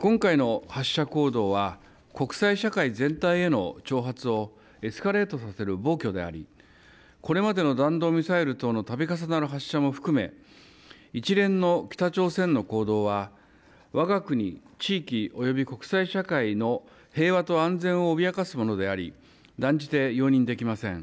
今回の発射行動は国際社会全体への挑発をエスカレートさせる暴挙でありこれまでの弾道ミサイル等のたび重なる発射も含め一連の北朝鮮の行動はわが国、地域および国際社会の平和と安全を脅かすものであり断じて容認できません。